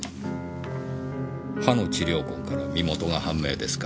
「歯の治療痕から身元が判明」ですか？